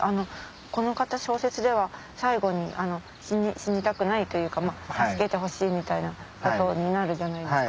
この方小説では最後に死にたくないというか助けてほしいみたいなことになるじゃないですか。